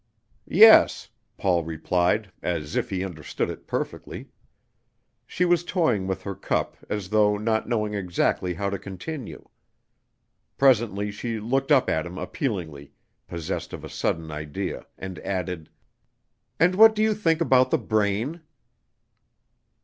"Yes," Paul replied, as if he understood it perfectly. She was toying with her cup as though not knowing exactly how to continue. Presently she looked up at him appealingly, possessed of a sudden idea, and added: "And what do you think about the brain?"